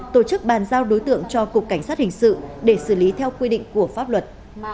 tổ chức bàn giao đối tượng cho cục cảnh sát hình sự để xử lý theo quy định của pháp luật